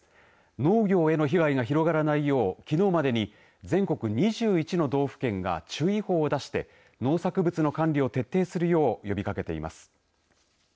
農業への被害が広がらないようきのうまでに全国２１の道府県が注意報を出して農作物の管理を徹底するよう呼びかけています。